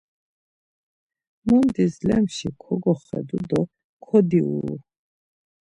Mundis lemşi kogoxedu do kodiuru.